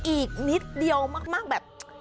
อีกนิดเดียวมากแบบ